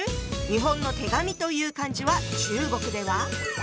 日本の「手紙」という漢字は中国では。